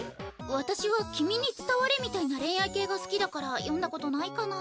私は「君に伝われ」みたいな恋愛系が好きだから読んだことないかな。